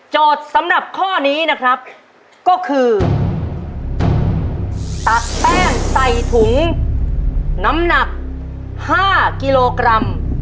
สำหรับข้อนี้นะครับก็คือตักแป้งใส่ถุงน้ำหนัก๕กิโลกรัม